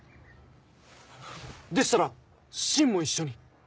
でしたら信も一緒に。